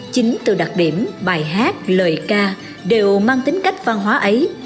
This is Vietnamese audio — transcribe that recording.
chính từ đặc điểm bài hát lời ca đều mang tính cách văn hóa ấy